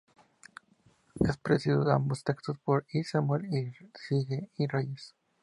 Es precedido en ambos textos por I Samuel y le sigue I Reyes.